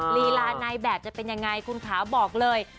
รีลานายแบบจะเป็นยังไงคุณขาวบอกเลย